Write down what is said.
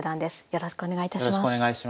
よろしくお願いします。